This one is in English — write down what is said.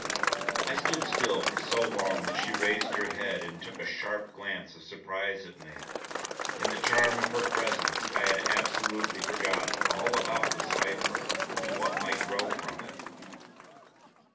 I stood still for so long that she raised her head and took a sharp glance of surprise at me. In the charm of her presence I had absolutely forgotten all about the cipher and what might grow from it.